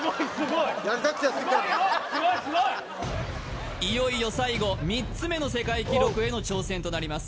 いよいよ最後３つ目の世界記録への挑戦となります